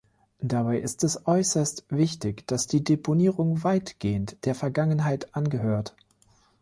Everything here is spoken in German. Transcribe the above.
Dabei ist es äußerst wichtig, dass die Deponierung weitgehend der Vergangenheit angehört.